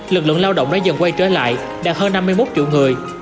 lực lượng lao động đã dần quay trở lại đạt hơn năm mươi một triệu người